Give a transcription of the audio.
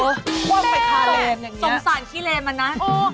โอ๊ยคว่ำไปขาแรมสงสารที่เลมนะ